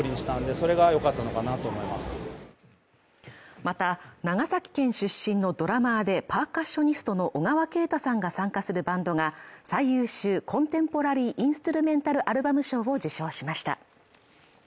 また長崎県出身のドラマーでパーカッショニストの小川慶太さんが参加するバンドが最優秀コンテンポラリーインストゥルメンタルアルバム賞を受賞しました